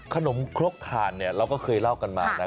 ขนมครกถาดเราก็เคยเล่ากันมา